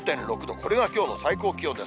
これがきょうの最高気温です。